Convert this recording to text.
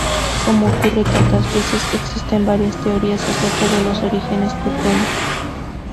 Como ocurre tantas veces, existen varias teorías acerca de los orígenes del pointer.